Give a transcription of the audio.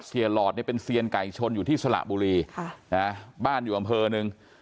หลอดเนี่ยเป็นเซียนไก่ชนอยู่ที่สระบุรีบ้านอยู่อำเภอหนึ่ง